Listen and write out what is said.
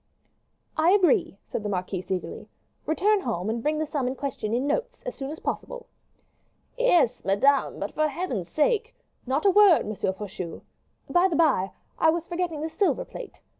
"I agree," said the marquise, eagerly; "return home and bring the sum in question in notes, as soon as possible." "Yes, madame, but for Heaven's sake " "Not a word, M. Faucheux. By the by, I was forgetting the silver plate.